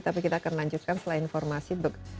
tapi kita akan lanjutkan setelah informasi